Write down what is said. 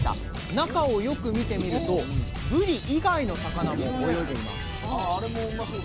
中をよく見てみるとぶり以外の魚も泳いでいます。